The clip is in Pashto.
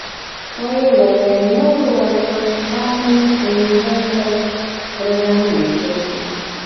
و یې ویل نورو ورځپاڼې پنځلس ورځنۍ کړې.